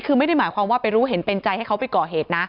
คือไม่ได้หมายความว่าไปรู้เห็นเป็นใจให้เขาไปก่อเหตุนะ